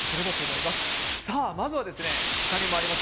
まずはここにもあります。